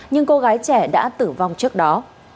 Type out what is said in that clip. nhưng cô gái trẻ đã tử vong trước đó